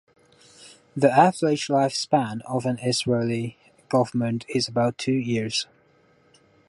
The average life-span of an Israeli government is about two years.